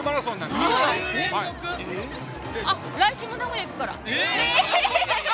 来週も名古屋行くから。